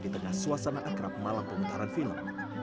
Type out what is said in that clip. di tengah suasana akrab malam pemutaran film